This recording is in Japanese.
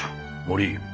森